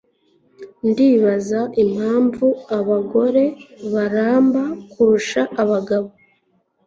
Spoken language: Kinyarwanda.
Ndibaza impamvu abagore baramba kurusha abagabo